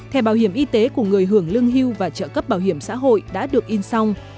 thẻ bảo hiểm y tế của người hưởng lương hưu và trợ cấp bảo hiểm xã hội đã được in xong